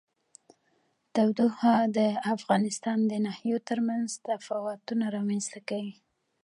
تودوخه د افغانستان د ناحیو ترمنځ تفاوتونه رامنځ ته کوي.